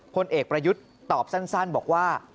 พลเอกประยุทธ์ตอบสั้นบอกว่า